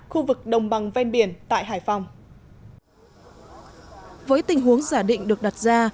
khu vực đồng bằng ven biển tại hải phòng với tình huống giả định được đặt ra